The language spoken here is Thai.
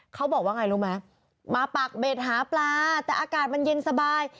เขาบอกว่าไงรู้ไหมมาปากเบ็ดหาปลาแต่อากาศมันเย็นสบาย